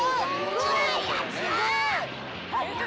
うわー、やったー。